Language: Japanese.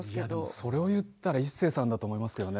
それを言ったらイッセーさんだと思いますけどね。